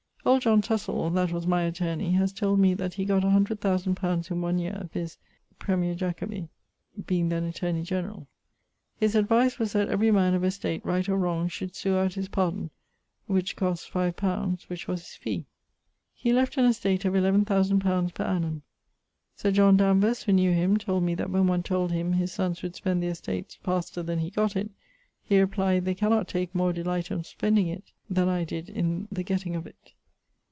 Old John Tussell (that was my attorney) haz told me that he gott a hundred thousand pounds in one yeare, viz. 1º Jacobi, being then attorney generall. His advice was that every man of estate (right or wrong) should sue out his pardon, which cost 5 li. which was his fee. He left an estate of eleaven thousand pounds per annum. Sir John Danvers[CM], who knew him, told me that when one told him his sonnes would spend the estate faster then he gott it, he replyed 'they cannot take more delight in spending of it then I did in the getting of it.'